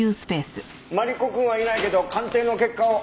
マリコ君はいないけど鑑定の結果を。